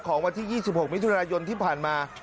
วันที่๒๖มิถุนายนที่ผ่านมา